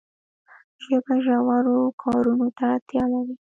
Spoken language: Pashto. ژبه ژورو کارونو ته اړتیا لري.